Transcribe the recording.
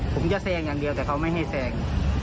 ผมจะแซงอย่างเดียวแต่เขาไม่ให้แซง